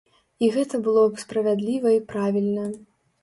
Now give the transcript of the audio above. І гэта было б справядліва і правільна.